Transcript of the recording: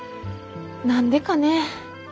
何でかねぇ。